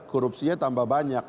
korupsinya tambah banyak